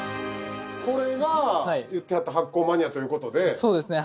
これが言ってはった発酵マニアということでそうですね